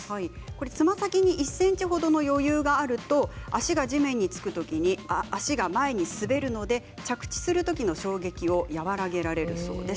つま先に１ｃｍほどの余裕があると足が地面につくときに足が前に滑るので着地するときの衝撃を和らげられるそうです。